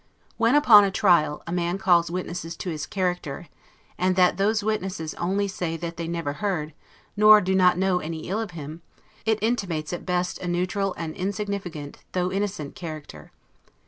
When, upon a trial, a man calls witnesses to his character, and that those witnesses only say that they never heard, nor do not know any ill of him, it intimates at best a neutral and insignificant, though innocent character.